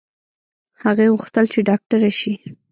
هغې غوښتل چې ډاکټره شي